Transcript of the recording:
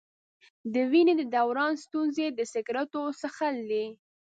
د وینې د دوران ستونزې د سګرټو څښل دي.